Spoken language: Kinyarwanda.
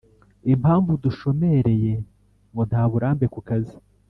impamvu dushomereye ngo nta burambe ku kazi